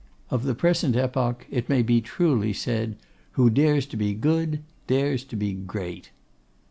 Of the present epoch it may be truly said, "Who dares to be good, dares to be great."